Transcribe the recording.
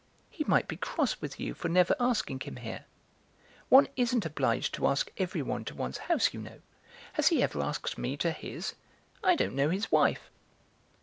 "He might be cross with you for never asking him here." "One isn't obliged to ask everyone to one's house, you know; has he ever asked me to his? I don't know his wife."